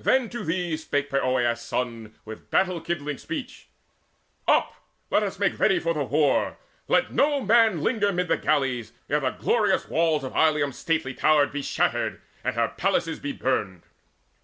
Then to these Spake Poeas' son with battle kindling speech: "Up! let us make us ready for the war! Let no man linger mid the galleys, ere The glorious walls of Ilium stately towered Be shattered, and her palaces be burned!"